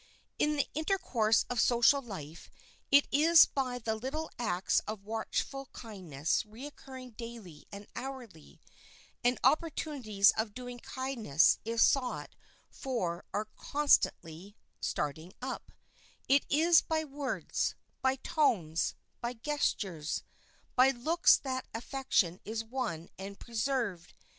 In the intercourse of social life it is by little acts of watchful kindness recurring daily and hourly—and opportunities of doing kindness if sought for are constantly starting up—it is by words, by tones, by gestures, by looks that affection is won and preserved.